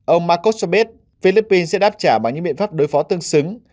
ông marcos cho biết philippines sẽ đáp trả bằng những biện pháp đối phó tương xứng